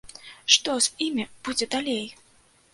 Што з імі будзе далей?